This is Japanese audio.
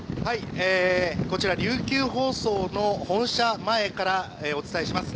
こちら琉球放送の本社前からお伝えします。